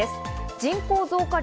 人口増加率